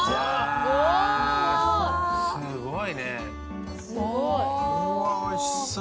すごいね！